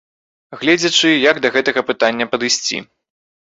Гледзячы, як да гэтага пытання падысці.